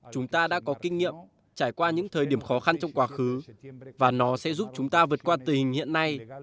chúng ta đã có kinh nghiệm trải qua những thời điểm khó khăn trong quá khứ và nó sẽ giúp chúng ta vượt qua tình hình hiện nay